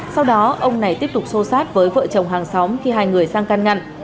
sau đó ông này tiếp tục sâu sát với vợ chồng hàng xóm khi hai người sang căn ngăn